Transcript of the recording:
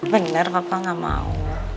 bener papa gak mau